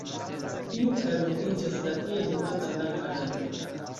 Tiu kerno iĝas la tiel nomata "blanka nano".